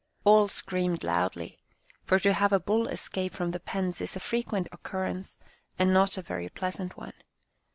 All screamed loudly, for to have a bull escape from the pens is a frequent occurrence, and not a very pleasant one.